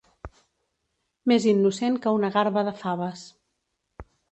Més innocent que una garba de faves.